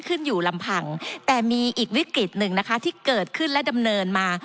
ขึ้นอยู่ลำพังแต่มีอีกวิกฤตหนึ่งนะคะที่เกิดขึ้นและดำเนินมา